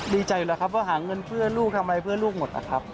ดีใจอยู่แล้วครับว่าหาเงินเพื่อลูกทำอะไรเพื่อลูกหมดนะครับ